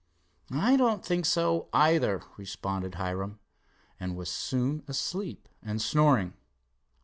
"I don't think so, either," responded Hiram, and was soon asleep and snoring.